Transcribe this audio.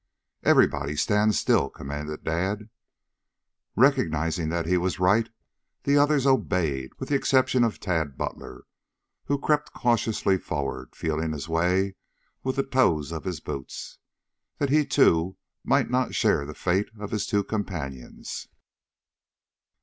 "Everybody stand still!" commanded Dad. Recognizing that he was right, the others obeyed, with the exception of Tad Butler, who crept cautiously forward, feeling his way with the toes of his boots, that he too might not share the fate of his two companions.